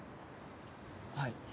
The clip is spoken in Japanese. はい。